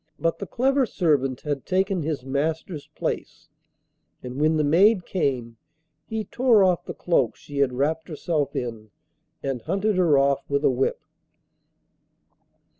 But the clever servant had taken his master's place, and when the maid came he tore off the cloak she had wrapped herself in and hunted her off with a whip.